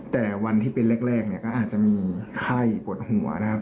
แต่วันที่เป็นแรกเนี่ยก็อาจจะมีไข้ปวดหัวนะครับ